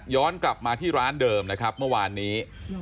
กลับมาที่ร้านเดิมนะครับเมื่อวานนี้